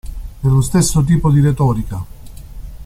È lo stesso tipo di retorica.